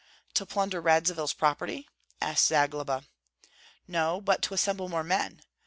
"To plunder Radzivill's property?" asked Zagloba. "No, but to assemble more men.